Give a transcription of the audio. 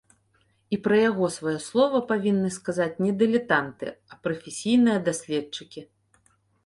І пра яго сваё слова павінны сказаць не дылетанты, а прафесійныя даследчыкі.